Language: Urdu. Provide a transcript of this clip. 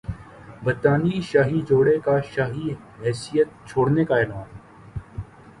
برطانوی شاہی جوڑے کا شاہی حیثیت چھوڑنے کا اعلان